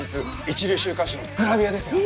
一流週刊誌のグラビアですよ。